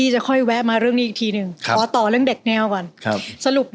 ใช่ครับ